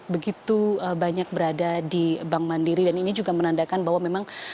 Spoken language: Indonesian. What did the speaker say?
begitu banyak berada di bank mandiri dan ini juga menandakan bahwa memang